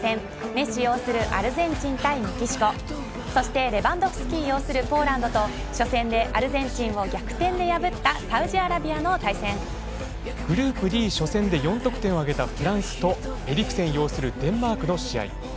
メッシ擁するアルゼンチン対メキシコそしてレバンドフスキ擁するポーランドと初戦でアルゼンチンを逆転で破ったサウジアラビアのグループＤ初戦で４得点を挙げたフランスとエリクセン擁するデンマークの試合。